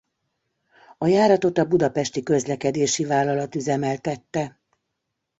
A járatot a Budapesti Közlekedési Vállalat üzemeltette.